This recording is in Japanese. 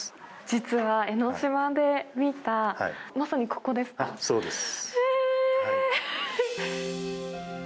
実は江の島で見た、まさにこそうです。